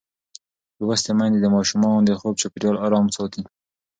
لوستې میندې د ماشومانو د خوب چاپېریال آرام ساتي.